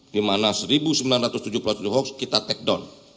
di mana satu sembilan ratus tujuh puluh tujuh hoax kita take down